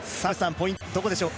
ポイントどこでしょうか？